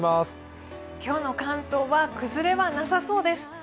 今日の関東は崩れはなさそうです。